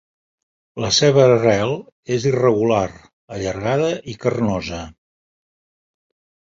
La seva rel és irregular, allargada i carnosa.